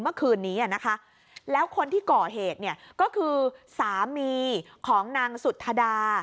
เมื่อคืนนี้นะคะแล้วคนที่ก่อเหตุเนี่ยก็คือสามีของนางสุธดา